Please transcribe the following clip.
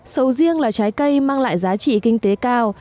sầu riêng là trái cây mang lại giá trị kinh tế cao